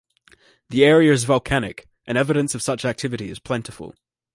The area is volcanic, and evidence of such activity is plentiful.